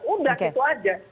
undang itu aja